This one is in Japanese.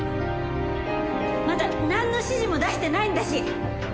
まだなんの指示も出してないんだし。